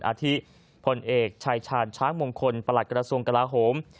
อาทิพลเอกชายชาญช้างมงคลประหลัดกระทรวงกลาโหม